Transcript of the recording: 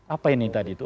apa ini tadi itu